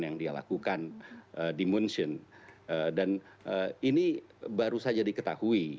yang dia lakukan di munchen dan ini baru saja diketahui